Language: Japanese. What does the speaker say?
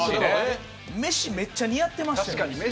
メシ、めっちゃ似合ってましたよ。